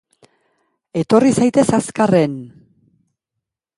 Etorri zaitez azkarren!